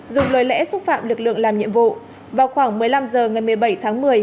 dùng lời lẽ xúc phạm lực lượng làm nhiệm vụ vào khoảng một mươi năm h ngày một mươi bảy tháng một mươi